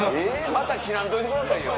また切らんといてくださいよ。